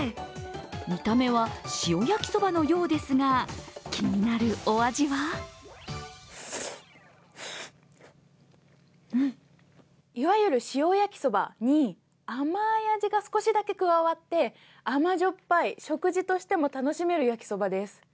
見た目は塩焼きそばのようですが、気になるお味はいわゆる塩焼きそばに甘い味が少しだけ加わって甘じょっぱい食事としても楽しめる焼きそばです。